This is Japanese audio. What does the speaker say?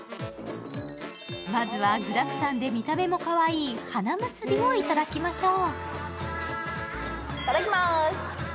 まずは具だくさんで見た目もかわいい花むすびをいただきましょう。